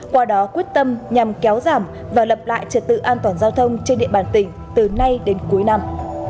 qua đó quyết tâm nhằm kéo giảm và lập lại trật tự an toàn giao thông trên địa bàn tỉnh từ nay đến cuối năm